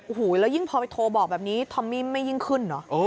โอ้โหแล้วยิ่งพอไปโทรบอกแบบนี้ทอมมี่ไม่ยิ่งขึ้นเหรอ